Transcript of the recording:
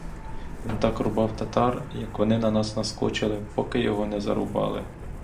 Він так рубав татар, як вони на нас наскочили, поки його не зарубали.